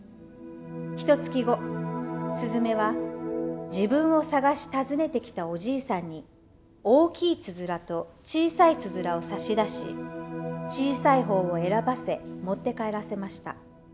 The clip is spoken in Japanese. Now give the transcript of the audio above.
ひとつき後すずめは自分を捜し訪ねてきたおじいさんに大きいつづらと小さいつづらを差し出し小さい方を選ばせ持って帰らせました。